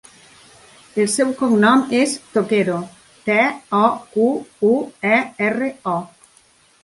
El seu cognom és Toquero: te, o, cu, u, e, erra, o.